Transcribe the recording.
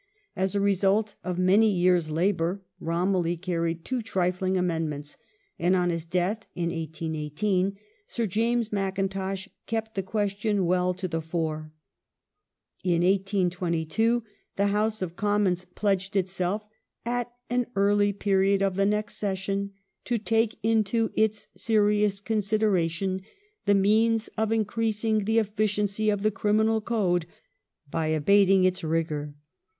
As a result of many years' labour Romilly caiTied • two trifling amendments, and on his death (1818) Sir James Mac kintosh kept the question well to the fore. In 1822 the House of Commons pledged itself, "at an early period of the next session to take into its serious consideration the means of increasing the efiiciency of the criminal code by abating its rigour